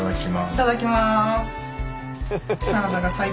いただきます。